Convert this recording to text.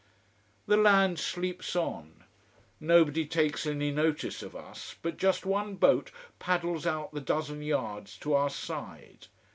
The land sleeps on: nobody takes any notice of us: but just one boat paddles out the dozen yards to our side.